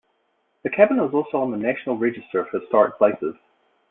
The Cabin is also on the National Register of Historic Places.